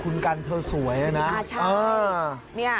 คุณกันเธอสวยนะอ่าใช่